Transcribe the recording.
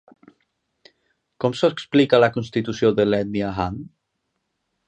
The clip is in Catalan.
Com s'explica la constitució de l'ètnia Han?